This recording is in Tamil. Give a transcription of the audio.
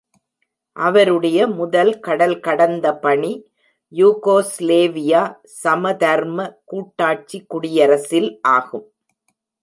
அவருடைய முதல் கடல்கடந்த பணி யுகொஸ்லேவிய சமதர்ம கூட்டாட்சி குடியரசில் ஆகும்.